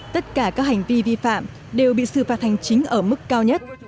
tất cả các hành vi vi phạm đều bị xử phạt hành chính ở mức cao nhất